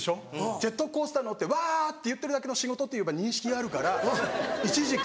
ジェットコースター乗ってわぁって言ってるだけの仕事って認識があるから一時期。